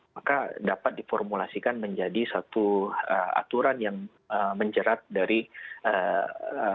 maka dapat diformulasikan menjadi satu aturan yang menjerat dari eee